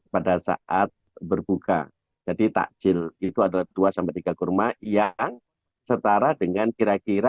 pada saat berbuka jadi takjil itu adalah dua tiga kurma yang setara dengan kira kira